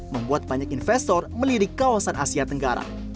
membuat banyak investor melirik kawasan asia tenggara